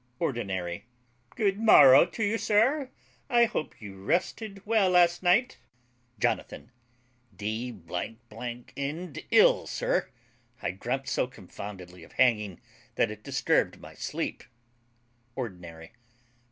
ORDINARY. Good morrow to you, sir; I hope you rested well last night. JONATHAN. D n'd ill, sir. I dreamt so confoundedly of hanging, that it disturbed my sleep. ORDINARY.